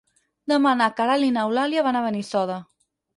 Demà na Queralt i n'Eulàlia van a Benissoda.